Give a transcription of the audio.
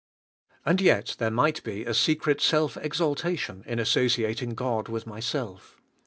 And yet there might be se cret self exaltation in associating God with myself.